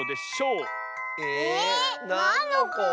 えなんのこ？